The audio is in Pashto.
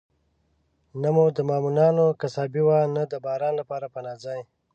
نه د ماموتانو قصابي وه، نه د باران لپاره پناه ځای.